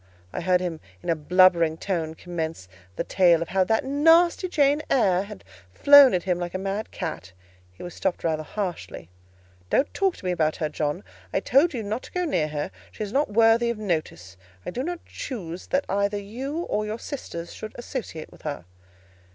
I heard him in a blubbering tone commence the tale of how "that nasty Jane Eyre" had flown at him like a mad cat: he was stopped rather harshly— "Don't talk to me about her, John: I told you not to go near her; she is not worthy of notice; I do not choose that either you or your sisters should associate with her."